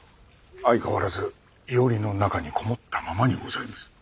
相変わらず庵の中に籠もったままにございます。